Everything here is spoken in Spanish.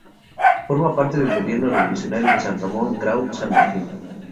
Forma parte del Gobierno Revolucionario de Ramón Grau San Martín.